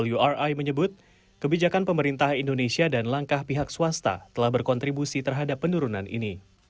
wri menyebut kebijakan pemerintah indonesia dan langkah pihak swasta telah berkontribusi terhadap penurunan ini